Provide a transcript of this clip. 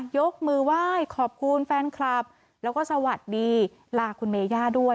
ยกมือไหว้ขอบคุณแฟนคลับแล้วก็สวัสดีลาคุณเมย่าด้วย